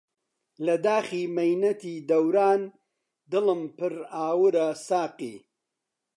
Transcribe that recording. لە داخی مەینەتی دەوران دلم پر ئاورە ساقی